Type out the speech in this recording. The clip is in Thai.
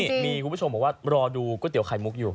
นี่มีคุณผู้ชมบอกว่ารอดูก๋วยเตี๋ไข่มุกอยู่